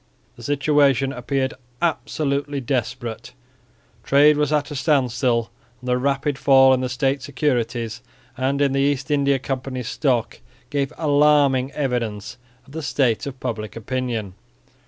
The situation appeared absolutely desperate; trade was at a standstill; and the rapid fall in the State securities and in the East India Company's stock gave alarming evidence of the state of public opinion.